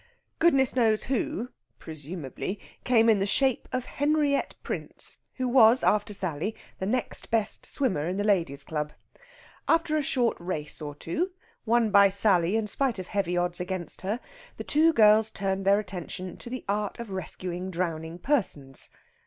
Goodness knows who (presumably) came in in the shape of Henriette Prince, who was, after Sally, the next best swimmer in the Ladies' Club. After a short race or two, won by Sally in spite of heavy odds against her, the two girls turned their attention to the art of rescuing drowning persons.